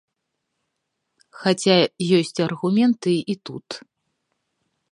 Хаця ёсць аргументы і тут.